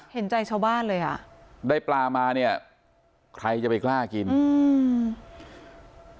เห็นใจชาวบ้านเลยอ่ะได้ปลามาเนี้ยใครจะไปกล้ากินอืม